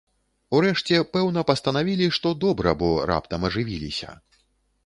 Урэшце, пэўна, пастанавілі, што добра, бо раптам ажывіліся.